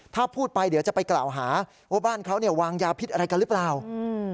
ถ้าพูดไปเดี๋ยวจะไปกล่าวหาว่าบ้านเขาเนี่ยวางยาพิษอะไรกันหรือเปล่าอืม